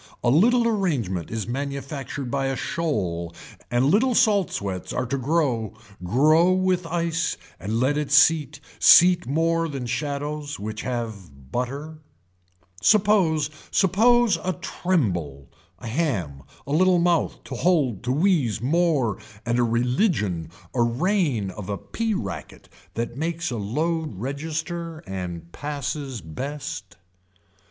A little arrangement is manufactured by a shoal and little salt sweats are to grow grow with ice and let it seat seat more than shadows which have butter. Suppose, suppose a tremble, a ham, a little mouth told to wheeze more and a religion a reign of a pea racket that makes a load register and passes best.